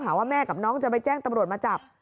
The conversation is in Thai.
ว่าแม่กับน้องจะไปแจ้งตำรวจมาจับ